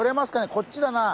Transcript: こっちだなあ。